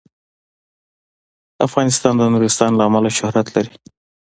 افغانستان د نورستان له امله شهرت لري.